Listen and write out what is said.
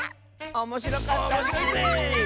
おもしろかった！